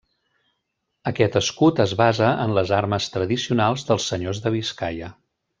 Aquest escut es basa en les armes tradicionals dels Senyors de Biscaia.